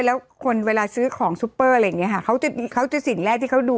แล้วคนเวลาซื้อของซุปเปอร์อะไรอย่างนี้ค่ะเขาจะเขาจะสิ่งแรกที่เขาดู